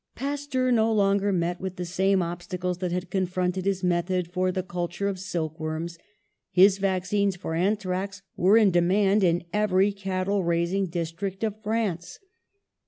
'^ Pasteur no longer met with the same obsta cles that had confronted his method for the cul ture of silk worms; his vaccines for anthrax were in demand in every cattle raising district of France.